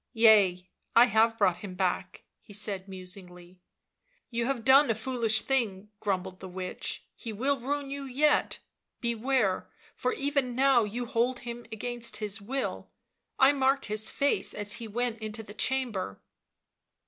" Yea, I have brought him back," he said musingly. " You have done a foolish thing," grumbled the witch, " he will ruin you yet; beware, for even now you hold him against his will; I marked his face as he went into his chamber."